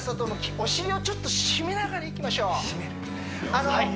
お尻をちょっと締めながらいきましょう